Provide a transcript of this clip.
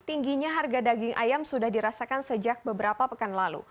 tingginya harga daging ayam sudah dirasakan sejak beberapa pekan lalu